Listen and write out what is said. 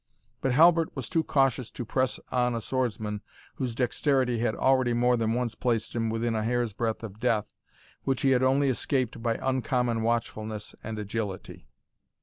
But Halbert was too cautious to press on a swordsman whose dexterity had already more than once placed him within a hair's breadth of death, which he had only escaped by uncommon watchfulness and agility.